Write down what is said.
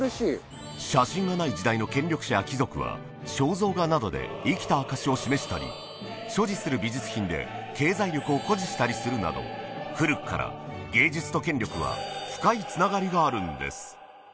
写真がない時代の権力者や貴族は肖像画などで生きた証しを示したり所持する美術品で経済力を誇示したりするなど古くから芸術と権力は深いつながりがあるんです